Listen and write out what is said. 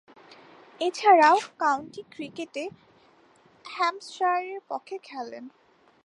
এছাড়াও, কাউন্টি ক্রিকেটে হ্যাম্পশায়ারের পক্ষে খেলেন।